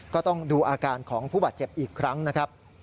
ก็ต้องดูอาการของผู้บาดเจ็บอีกครั้งนะครับ